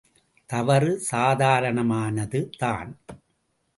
தவறு சாதாரணமானது தான்.